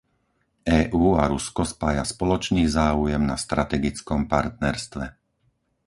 EÚ a Rusko spája spoločný záujem na strategickom partnerstve.